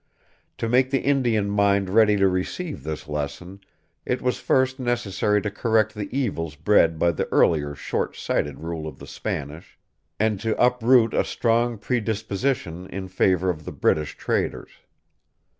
To make the Indian mind ready to receive this lesson, it was first necessary to correct the evils bred by the earlier short sighted rule of the Spanish, and to uproot a strong predisposition in favor of the British traders.